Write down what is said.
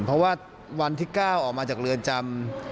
เพราะว่าวันที่๙ออกมาจากเรือนจำ